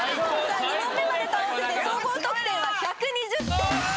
２問目と合わせて総合得点１２０点。